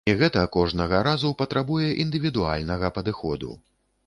І гэта кожнага разу патрабуе індывідуальнага падыходу.